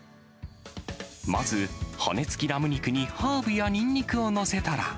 まず、骨付きラム肉にハーブやニンニクを載せたら。